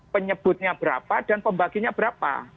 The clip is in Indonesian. penyebutnya berapa dan pembaginya berapa